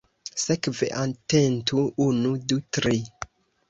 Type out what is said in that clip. Sekve atentu: unu, du, tri!